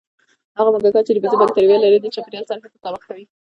هغه موږکان چې د بیزو بکتریاوې لري، د چاپېریال سره ښه تطابق کوي.